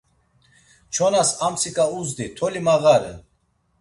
Çonas amtsika uzdi, toli mağaren.